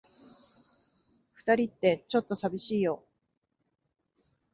二人って、ちょっと寂しいよ。